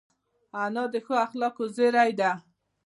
انا د ښو اخلاقو زېری ده